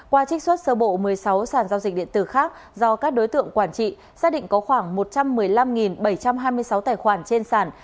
qua trích xuất sơ bộ một mươi sáu sản giao dịch điện tử khác do các đối tượng quản trị xác định có khoảng một trăm một mươi năm bảy trăm hai mươi sáu tài khoản trên sàn